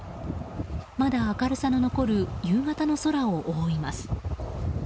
まだ明るさの残る夕方の空を覆います。